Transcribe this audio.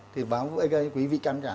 thì báo quý vị cảm nhận